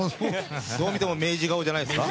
どう見ても明治顔じゃないですか。